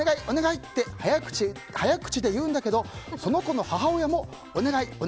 お願いって早口で言うんだけどその子の母親もお願い！